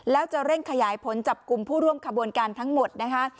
แล้วจะเร่งขยายผลจับกลุ่มผู้ร่วมขบวนการทั้งหมดนะคะ